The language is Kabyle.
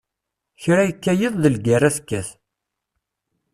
Kra yekka yiḍ d lgerra tekkat.